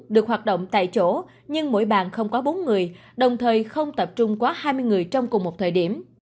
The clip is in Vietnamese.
được hoạt động tại chỗ nhưng mỗi bàn không quá bốn người đồng thời không tập trung quá hai mươi người trong cùng một thời điểm